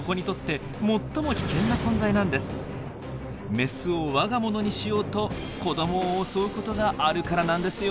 メスを我が物にしようと子どもを襲うことがあるからなんですよ。